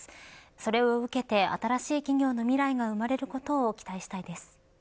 それを受けて新しい企業の未来が生まれることを期待したいです。